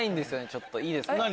ちょっといいですか。